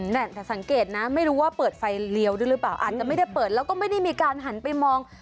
นั่นแต่สังเกตนะไม่รู้ว่าเปิดไฟเลี้ยวด้วยหรือเปล่าอาจจะไม่ได้เปิดแล้วก็ไม่ได้มีการหันไปมอง